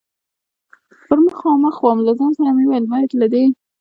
پر مخامخ ووم، له ځان سره مې وویل: باید له دې.